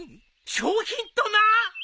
賞品とな！